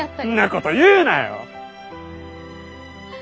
んなこと言うなよ！